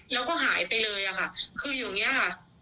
แล้วก็หายไปเลยค่ะคืออยู่อย่างนี้ค่ะ